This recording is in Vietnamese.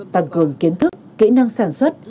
tăng cường kiến thức kỹ năng sản xuất